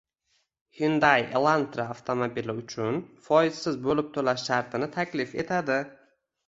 Hyundai Elantra avtomobili uchun foizsiz bo‘lib to‘lash shartini taklif etadi